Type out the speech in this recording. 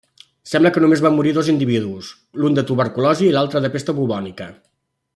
Sembla que només van morir dos individus, l'un de tuberculosi i l'altre de pesta bubònica.